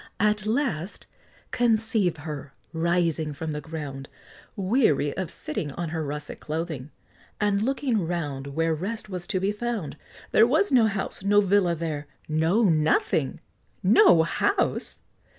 At last, conceive her, rising from the ground, Weary of sitting on her russet clothing, And looking round Where rest was to be found, There was no house no villa there no nothing! No house!